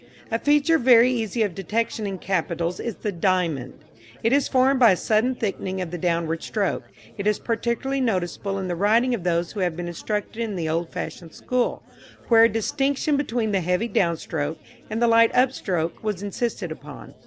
A feature very easy of detection in capitals is the "diamond." It is formed by a sudden thickening of the downstroke. It is particularly noticeable in the writing of those who have been instructed in the old fashioned school, where a distinction between the heavy downstroke and the light upstroke was insisted upon.